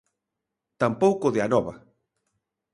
Tampouco de Anova.